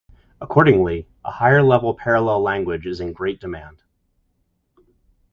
Accordingly, a higher-level parallel language is in great demand.